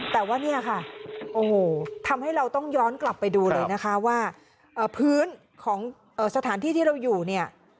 แต่ว่าเนี่ยค่ะโอ้โหทำให้เราต้องย้อนกลับไปดูเลยนะคะว่าพื้นของสถานที่ที่เราอยู่เนี่ย